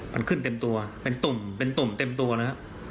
มันขึ้นเต็มตัวเป็นตุ่มเต็มตัวนะครับ